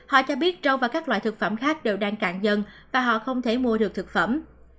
họ cho biết rau và các loại thực phẩm khác đều đang cạn dần và họ không thể mua được thực phẩm